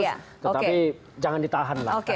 tetapi jangan ditahanlah oke